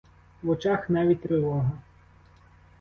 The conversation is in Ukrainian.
В очах навіть тривога.